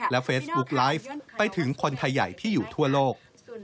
เฟซบุ๊กไลฟ์ไปถึงคนไทยใหญ่ที่อยู่ทั่วโลก